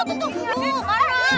itu tuh dia cakap sembarangan